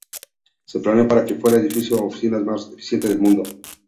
Se planeó para que fuera el edificio de oficinas más eficiente del mundo.